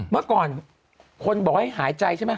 เมื่อก่อนคนบอกให้หายใจใช่ไหม